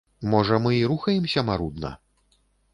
Можа, мы і рухаемся марудна?